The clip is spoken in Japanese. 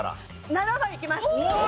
７番いきます。